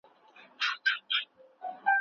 ناڅاپي کمزوري خطرناک ده.